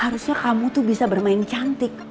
harusnya kamu tuh bisa bermain cantik